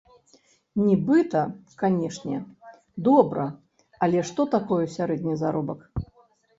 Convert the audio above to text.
Нібыта, канешне, добра, але што такое сярэдні заробак?